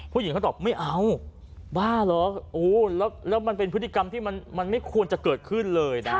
ผู้หญิงเขาตอบไม่เอาบ้าเหรอแล้วมันเป็นพฤติกรรมที่มันไม่ควรจะเกิดขึ้นเลยนะ